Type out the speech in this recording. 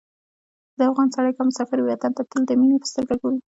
د افغان سړی که مسافر وي، وطن ته تل د مینې په سترګه ګوري.